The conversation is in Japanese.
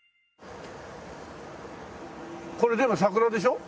これ全部桜でしょ？